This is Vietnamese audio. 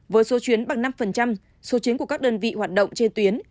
với số chuyến bằng năm số chuyến của các đơn vị hoạt động trên tuyến